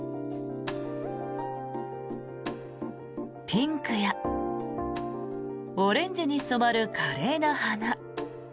ピンクやオレンジに染まる華麗な花。